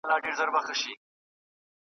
بیا یې پورته تر اسمانه واویلا وي .